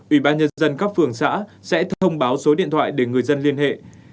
ủy ban nhân dân các phường xã sẽ thông báo số điện thoại để người dân liên hệ